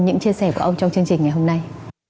những chia sẻ của ông trong chương trình ngày hôm nay